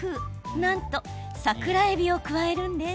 なんと桜えびを加えるんです。